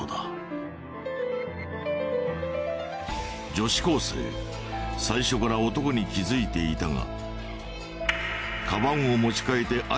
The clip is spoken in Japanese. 女子高生最初から男に気づいていたが。